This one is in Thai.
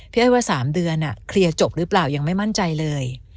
อ้อยว่า๓เดือนเคลียร์จบหรือเปล่ายังไม่มั่นใจเลย